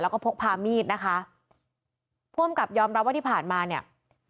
แล้วก็พกพามีดนะคะผู้อำกับยอมรับว่าที่ผ่านมาเนี่ย